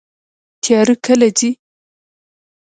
تیاره کله ځي؟